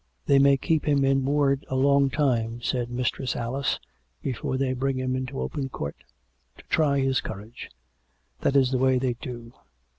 " They may keep him in ward a long time," said Mistress Alice, " before they bring him into open court — to try his courage. That is the way they do.